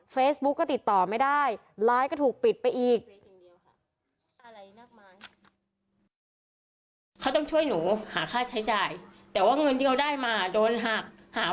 เฟซบุ๊กก็ติดต่อไม่ได้ไลฟ์ก็ถูกปิดไปอีก